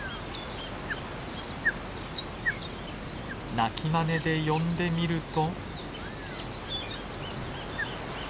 鳴きまねで呼んでみると。